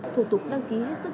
thủ tục đăng ký hết sức